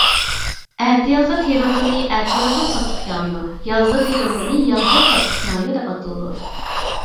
ئەتىيازدا تېرىلغىنى ئەتىيازلىق تاتلىقياڭيۇ، يازدا تېرىلغىنى يازلىق تاتلىقياڭيۇ دەپ ئاتىلىدۇ.